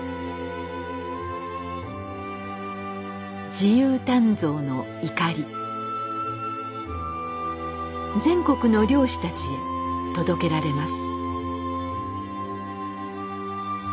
自由鍛造の錨全国の漁師たちへ届けられます。